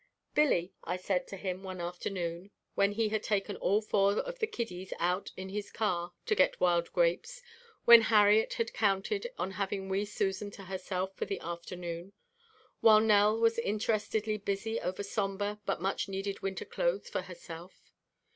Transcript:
"Billy," I said to him one afternoon when he had taken all four of the kiddies out in his car to get wild grapes, when Harriet had counted on having wee Susan to herself for the afternoon, while Nell was interestedly busy over somber but much needed winter clothes for herself.